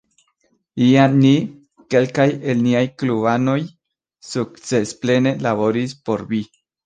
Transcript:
Jam ni, kelkaj el niaj klubanoj, sukcesplene laboris por vi.